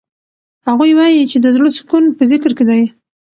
هغوی وایي چې د زړه سکون په ذکر کې دی.